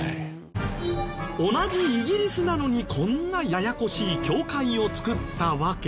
同じイギリスなのにこんなややこしい境界を作ったわけ。